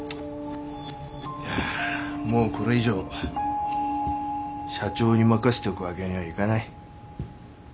いやもうこれ以上社長に任しておくわけにはいかない。